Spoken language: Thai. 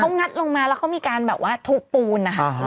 งัดลงมาแล้วเขามีการแบบว่าทุบปูนนะคะ